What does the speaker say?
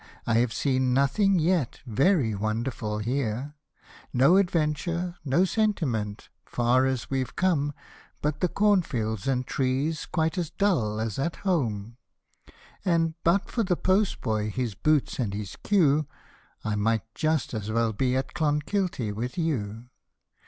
I have seen nothing yet very wonderful here ; No adventure, no sentiment, far as we've come, But the corn fields and trees quite as dull as at home ; And but for the post boy, his boots and his queue, I m\^tjust as well be at Clonkilty with you